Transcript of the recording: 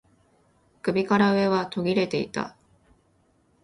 首から上は途切れていた